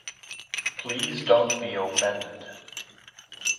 Please don't be offended.